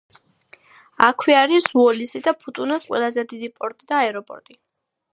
აქვე არის უოლისი და ფუტუნას ყველაზე დიდი პორტი და აეროპორტი.